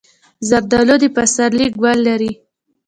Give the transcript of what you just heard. زردالو د پسرلي ګل لري.